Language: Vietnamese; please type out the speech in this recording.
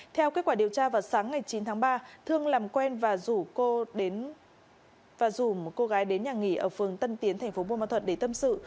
theo kết quả điều tra vào sáng ngày chín tháng ba thương làm quen và rủ cô đến nhà nghỉ ở phường tân tiến tp buôn ma thuật để tâm sự